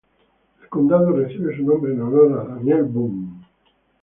El condado recibe su nombre en honor a Daniel Boone.